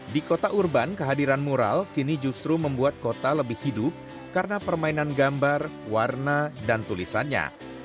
di kota urban kehadiran mural kini justru membuat kota lebih hidup karena permainan gambar warna dan tulisannya